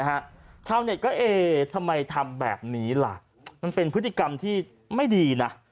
ชาวเน็ตก็เอ๊ทำไมทำแบบนี้ล่ะมันเป็นพฤติกรรมที่ไม่ดีนะ